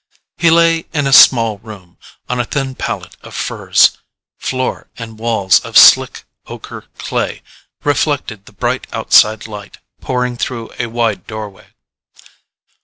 He lay in a small room, on a thin pallet of furs. Floor and walls of slick, ocher clay reflected the bright outside light pouring through a wide doorway.